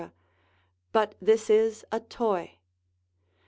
but this is a toy.